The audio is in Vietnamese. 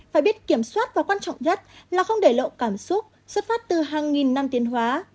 phải biết kiểm soát và quan trọng nhất là không để lộ cảm xúc xuất phát từ hàng nghìn năm tiền hóa